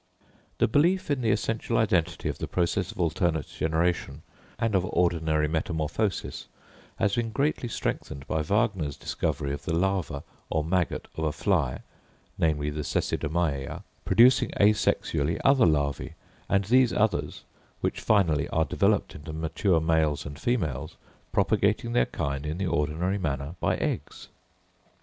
The belief in the essential identity of the process of alternate generation and of ordinary metamorphosis has been greatly strengthened by Wagner's discovery of the larva or maggot of a fly, namely the Cecidomyia, producing asexually other larvæ, and these others, which finally are developed into mature males and females, propagating their kind in the ordinary manner by eggs.